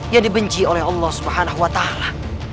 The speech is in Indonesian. yang dibenci oleh allah subhanahu wa ta'ala